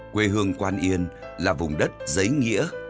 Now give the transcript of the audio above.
quê hương quan yên là vùng đất giấy nghĩa